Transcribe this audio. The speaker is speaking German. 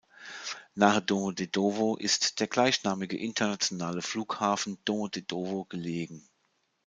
Nahe Domodedowo ist der gleichnamige internationale Flughafen Domodedowo gelegen.